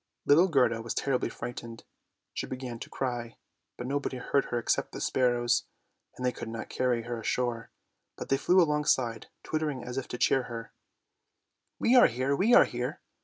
Little Gerda was terribly frightened, and began to cry, but nobody heard her except the sparrows, and they could not carry her ashore, but they flew alongside twittering as if to cheer her, " We are here, we are here."